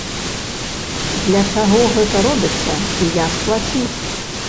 Для чаго гэта робіцца і як плаціць?